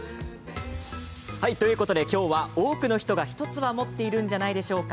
今日は多くの人が１つは持っているんじゃないでしょうか。